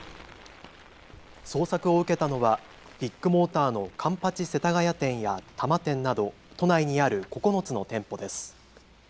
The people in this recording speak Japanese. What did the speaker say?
捜索を受けたのはビッグモーターの環八世田谷店や多摩店など都内にある９つの店舗です。